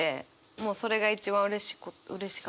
もうそれが一番うれしかった。